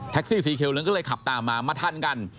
สีเขียวเหลืองก็เลยขับตามมามาทันกัน